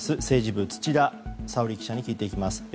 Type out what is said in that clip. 政治部、土田沙織記者に聞いていきます。